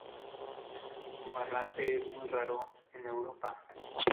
Como errante es muy raro en Europa.